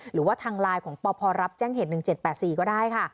หรือว่าทางไลน์ของปพรับแจ้งเหตุ๑๗๘๔ก็ได้ค่ะ